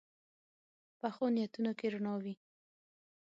پخو نیتونو کې رڼا وي